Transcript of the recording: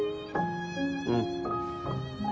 うん。